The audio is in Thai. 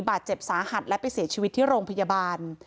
บาดเจ็บสาหัสและไปเสียชีวิตที่โรงพยาบาล